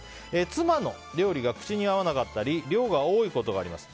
妻の料理が口に合わなかったり量が多いことがあります。